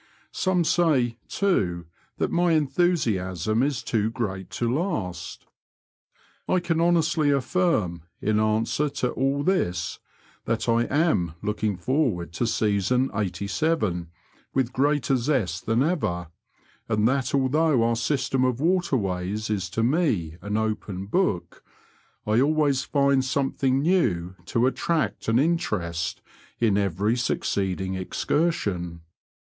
Some say, too, that my enthusiasm is too great to last. I can honestly affirm, in answer to all this, that I am looking forward to season '87 with greater zest than ever, and that although our system of waterways is to me an open book, I always find something new to attract and interest in every succeeding excursion.